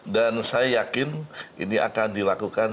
dan saya yakin ini akan dilakukan